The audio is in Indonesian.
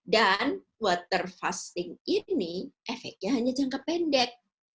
dan water fasting ini efeknya hanya jangka pendek